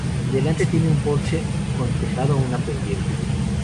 Delante tiene un porche con tejado a una pendiente.